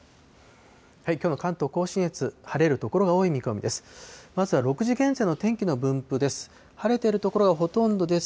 きょうの関東甲信越、晴れる所が多い見込みです。